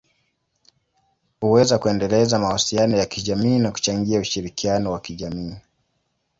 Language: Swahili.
huweza kuendeleza mahusiano ya kijamii na kuchangia ushirikiano wa kijamii.